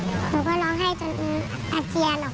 หนูก็ร้องไห้จนอาเจียนหรอก